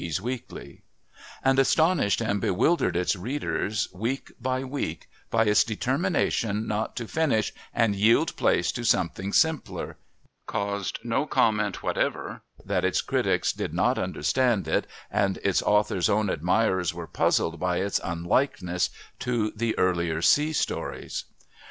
's Weekly_ and astonished and bewildered its readers week by week, by its determination not to finish and yield place to something simpler) caused no comment whatever, that its critics did not understand it, and its author's own admirers were puzzled by its unlikeness to the earlier sea stories.